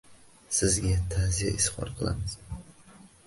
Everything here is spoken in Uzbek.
Sizga ta’ziya izhor qilamiz.